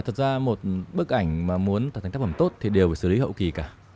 thật ra một bức ảnh mà muốn thành tác phẩm tốt thì đều phải xử lý hậu kỳ cả